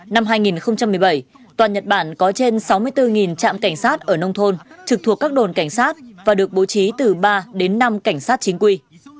năm hai nghìn một mươi bảy toàn nhật bản có trên sáu mươi bốn trạm cảnh sát ở nông thôn trực thuộc các đồn cảnh sát và được bố trí từ ba đến năm cảnh sát chính quy